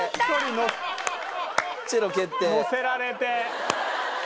のせられて。